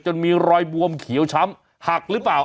มีรอยบวมเขียวช้ำหักหรือเปล่า